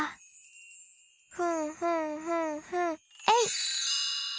ふんふんふんふんえいっ！